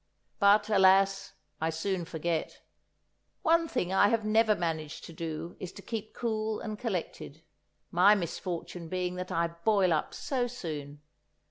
But, alas, I soon forget. One thing I have never yet managed to do is to keep cool and collected, my misfortune being that I boil up so soon.